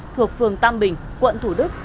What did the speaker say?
thuộc phường tam bình quận thủ đức